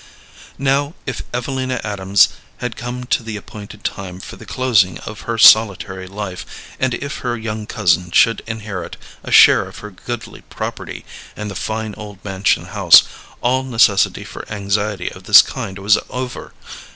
Now if Evelina Adams had come to the appointed time for the closing of her solitary life, and if her young cousin should inherit a share of her goodly property and the fine old mansion house, all necessity for anxiety of this kind was over.